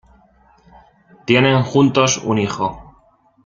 Tienen juntos un hijo.